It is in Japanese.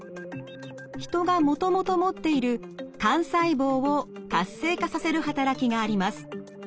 ヒトがもともと持っている幹細胞を活性化させる働きがあります。